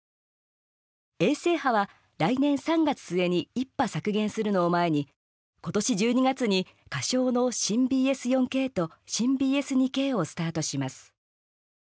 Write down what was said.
衛星波は、来年３月末に１波削減するのを前に今年１２月に仮称の新ＢＳ４Ｋと新ＢＳ２Ｋをスタートします。